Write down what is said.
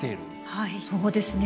はいそうですね